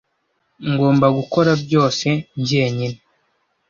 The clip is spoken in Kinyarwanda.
Ngomba gukora byose njyenyine.